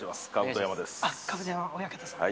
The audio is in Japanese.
甲山親方さん。